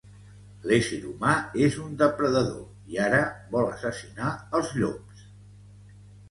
L'ésser humà és un depredador i ara vol assassinar els llops.